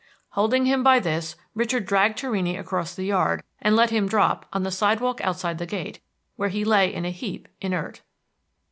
Holding him by this, Richard dragged Torrini across the yard, and let him drop on the sidewalk outside the gate, where he lay in a heap, inert.